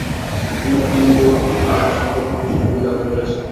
তিনি হিন্দু-আরবি সংখ্যা পদ্ধতি সম্পর্কে জানতে পেরেছিলেন।